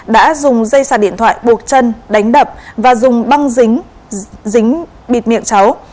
đã dùng dây sạc điện thoại buộc chân đánh đập và dùng băng dính bịt miệng cháu